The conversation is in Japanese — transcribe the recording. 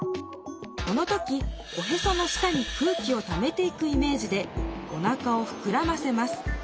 この時おへその下に空気をためていくイメージでおなかをふくらませます。